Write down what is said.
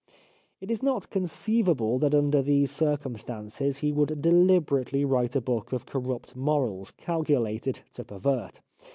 It is not conceivable that under these circumstances he would dehberately write a book of corrupt morals, calculated to pervert.